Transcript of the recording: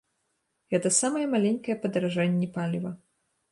Гэта самае маленькае падаражанне паліва.